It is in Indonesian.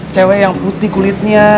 cewek yang putih kulitnya